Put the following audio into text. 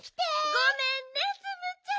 ごめんねツムちゃん。